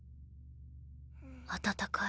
温かい。